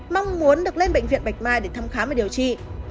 mong muốn được lên bệnh viện bạch mai để thăm khám và điều trị